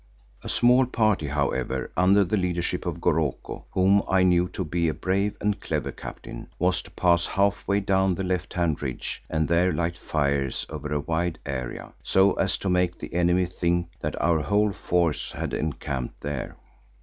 A small party, however, under the leadership of Goroko, whom I knew to be a brave and clever captain, was to pass halfway down the left hand ridge and there light fires over a wide area, so as to make the enemy think that our whole force had encamped there.